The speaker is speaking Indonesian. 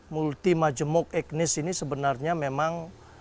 multi majemuk etnis ini sebenarnya memang